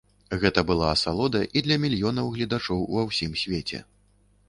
Гэта была асалода і для мільёнаў гледачоў ва ўсім свеце.